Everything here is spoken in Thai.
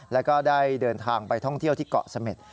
แล้วก็ได้เดินทางไปท่องเที่ยวที่เกาะเสม็ด